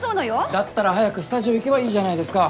だったら早くスタジオ行けばいいじゃないですか。